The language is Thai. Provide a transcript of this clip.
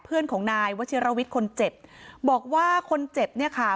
เพื่อนของนายวชิรวิทย์คนเจ็บบอกว่าคนเจ็บเนี่ยค่ะ